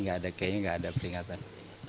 nggak ada kayaknya nggak ada peringatan